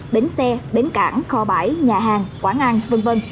bến xe bến cảng kho bãi nhà hàng quán ăn v v